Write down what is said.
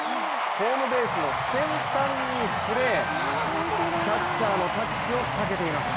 ホームベースの先端に触れキャッチャーのタッチを避けています。